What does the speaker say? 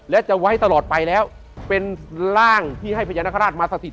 และจะไว้ตลอดไปแล้วเป็นร่างที่ให้พญานาคาราชมาสถิต